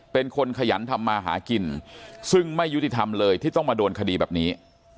เป็นคนขยันทำมาหากินซึ่งไม่ยุติธรรมเลยที่ต้องมาโดนคดีแบบนี้